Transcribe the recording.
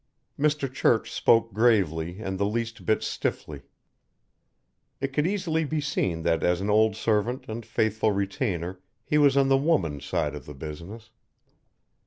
Mr. Church spoke gravely and the least bit stiffly. It could easily be seen that as an old servant and faithful retainer he was on the woman's side in the business.